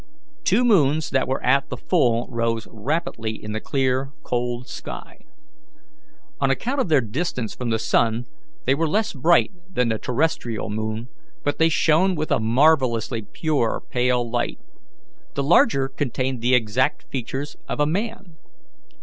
Two moons that were at the full rose rapidly in the clear, cold sky. On account of their distance from the sun, they were less bright than the terrestrial moon, but they shone with a marvellously pure pale light. The larger contained the exact features of a man.